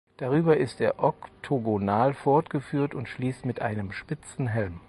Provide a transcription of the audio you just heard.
Darüber ist er oktogonal fortgeführt und schließt mit einem spitzen Helm.